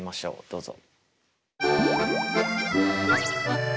どうぞ。